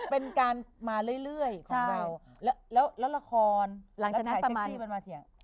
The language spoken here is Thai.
เป็นกราศมาเรื่อยละครถ่ายเซ็กซี่เกิดมาเถียง